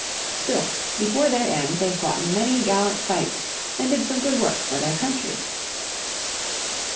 Still before their end they fought many gallant fights, and did some good work for their country.